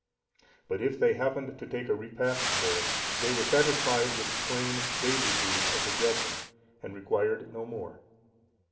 But if they happened to take a repast there, they were satisfied with the plain, daily food of the brethren, and required no more.